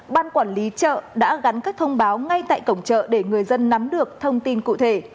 ban quản lý chợ đã gắn các thông báo ngay tại cổng chợ để người dân nắm được thông tin cụ thể